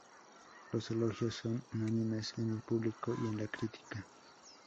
Los elogios son unánimes en el público y en la crítica.